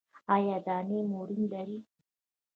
ایا دانې مو ریم لري؟